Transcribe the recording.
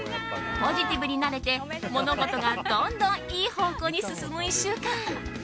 ポジティブになれて、物事がどんどん良い方向に進む１週間。